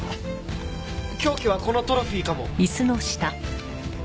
凶器はこのトロフィーかも。